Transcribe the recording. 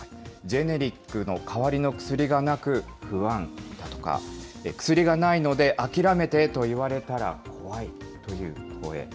ジェネリックの代わりの薬がなく不安だとか、薬がないので、諦めてと言われたら怖いという声。